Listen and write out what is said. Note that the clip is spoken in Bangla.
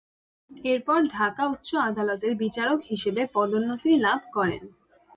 এরপর ঢাকা উচ্চ আদালতের বিচারক হিসেবে পদোন্নতি লাভ করেন।